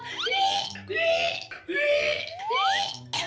นี่นี่นี่